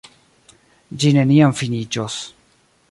Ĝi neniam finiĝos!